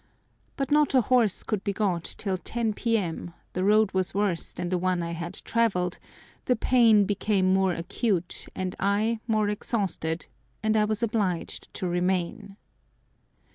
But not a horse could be got till 10 p.m.; the road was worse than the one I had travelled; the pain became more acute, and I more exhausted, and I was obliged to remain.